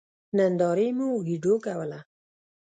نندارې مو وېډيو کوله.